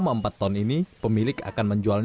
sapi ini telah dirawat pemiliknya sejak tujuh tahun lalu